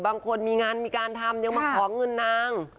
บางคนมีงานมีการทำยังมาขอเงินนาง